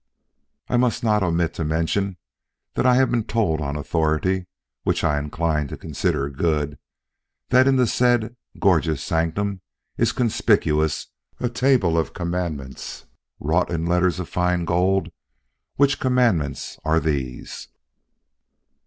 I must not omit to mention that I have been told on authority, which I incline to consider good, that in the said gorgeous sanctum is conspicuous a table of commandments, wrought in letters of fine gold, which commandments are these: I.